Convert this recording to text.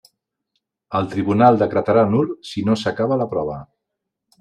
El tribunal decretarà nul si no s'acaba la prova.